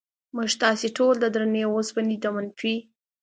موږ تاسې ټول د درنې وسپنې د منفي